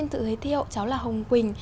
hiệu cháu là hồng quỳnh